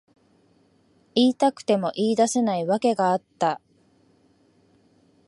言いたくても言い出せない訳があった。